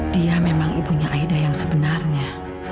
dia memang ibunya aida yang sebenarnya